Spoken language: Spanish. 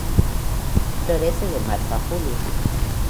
Florece de Marzo a Julio.